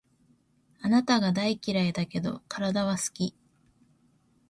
あなたが大嫌いだけど、体は好き